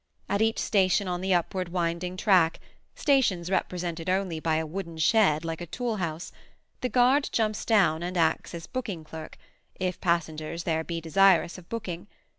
At each station on the upward winding track—stations represented only by a wooden shed like a tool house—the guard jumps down and acts as booking clerk, if passengers there be desirous of booking.